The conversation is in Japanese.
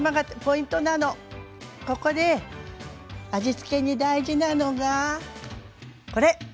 ここで味付けに大事なのがこれ！